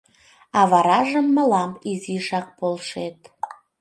— А варажым мылам изишак полшет.